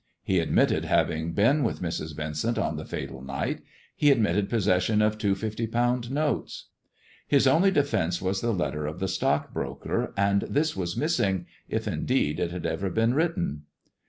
He admitted having been with Mrs. Vincent on the fatal night, he admitted possession of two fifty pound notes. His only defence was the letter of the stockbroker, and this was missing — if, indeed, it had eve/ been written.